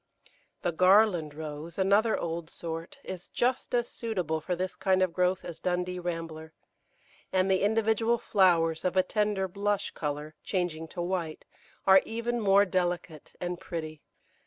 The Garland Rose, another old sort, is just as suitable for this kind of growth as Dundee Rambler, and the individual flowers, of a tender blush colour, changing to white, are even more delicate and pretty.